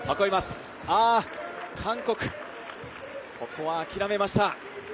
韓国、ここは諦めました。